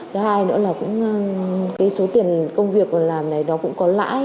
thứ hai nữa là cũng cái số tiền công việc làm này nó cũng có lãi